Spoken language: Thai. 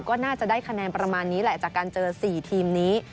ก็น่าจะได้คะแนนประมาณนี้แหละจากการเจอ๔ทีมนี้